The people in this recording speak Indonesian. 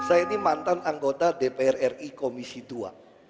saya ini mantan anggota dpr ri komisi dua